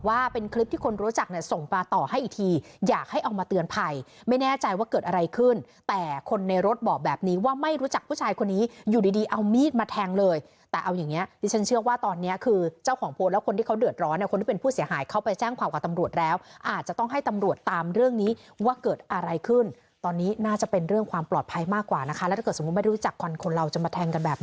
ว่าเป็นคลิปที่คนรู้จักเนี่ยส่งมาต่อให้อีกทีอยากให้เอามาเตือนภัยไม่แน่ใจว่าเกิดอะไรขึ้นแต่คนในรถบอกแบบนี้ว่าไม่รู้จักผู้ชายคนนี้อยู่ดีเอามีดมาแทงเลยแต่เอาอย่างนี้ที่ฉันเชื่อว่าตอนนี้คือเจ้าของโพสต์แล้วคนที่เขาเดือดร้อนคนที่เป็นผู้เสียหายเข้าไปแจ้งความกับตำรวจแล้วอาจจะต้องให้ตำรวจต